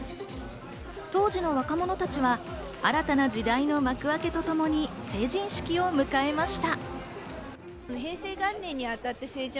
当時の若者たちは新たな時代の幕開けとともに成人式を迎えました。